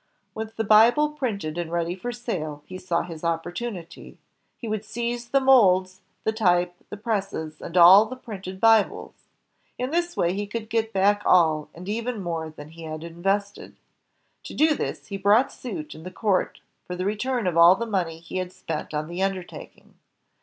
With the Bible printed and ready for sale, he saw his opportunity. He would seize the molds, the type, the presses, and all the printed Bibles. In this way he could get back all, and even more than he had invested. To do this, he brought suit in the court for the return of all the money he had spent on the undertaking.